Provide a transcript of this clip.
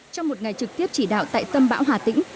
trong một ngày trực tiếp chỉ đạo tại tâm bão hà tĩnh